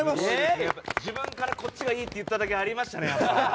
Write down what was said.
自分からこっちがいいって言っただけありましたね。